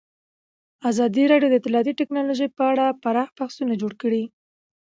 ازادي راډیو د اطلاعاتی تکنالوژي په اړه پراخ بحثونه جوړ کړي.